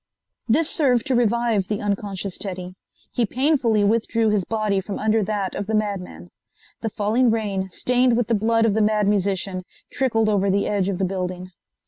This served to revive the unconscious Teddy. He painfully withdrew his body from under that of the madman. The falling rain, stained with the blood of the Mad Musician, trickled over the edge of the building.